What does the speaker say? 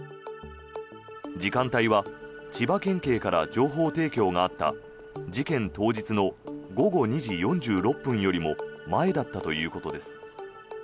時間帯は千葉県警から情報提供があった事件当日の午後２時４６分よりも前だったということです。